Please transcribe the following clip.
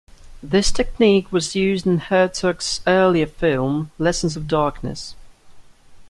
This technique was used in Herzog's earlier film "Lessons of Darkness".